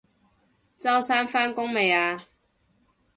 周生返工未啊？